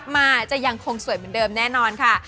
มาจะยังคงสวยเหมือนเดิมแน่นอนค่ะ